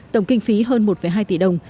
tổng kinh phí hơn một hai tỷ đồng